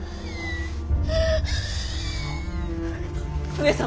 上様！